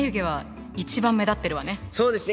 そうですね。